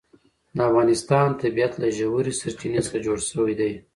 د افغانستان طبیعت له ژورې سرچینې څخه جوړ شوی دی.